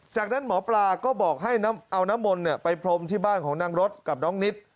จากนั้นหมอปลาก็บอกให้เอาน้ำมนต์ไปพรมที่บ้านของนางรถกับน้องนิด